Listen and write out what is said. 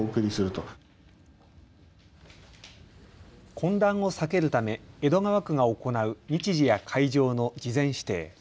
混乱を避けるため江戸川区が行う日時や会場の事前指定。